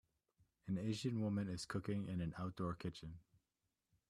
An Asian woman is cooking in an outdoor kitchen.